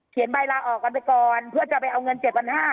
เขียนใบลาออกกันไปก่อนเพื่อจะไปเอาเงินเจ็ดวันห้า